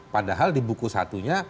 padahal di buku satunya